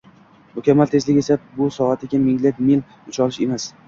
Mukammal tezlik esa — bu soatiga minglab mil ucha olish emas.